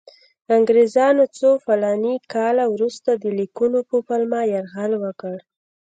انګریزانو څو فلاني کاله وروسته د لیکونو په پلمه یرغل وکړ.